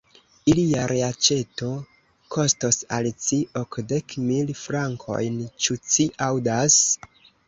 Ilia reaĉeto kostos al ci okdek mil frankojn, ĉu ci aŭdas?